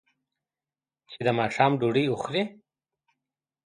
چې د ماښام ډوډۍ وخوري.